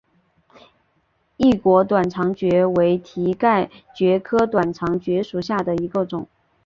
异果短肠蕨为蹄盖蕨科短肠蕨属下的一个种。